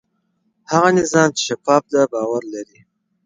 هغه نظام چې شفاف دی باور لري.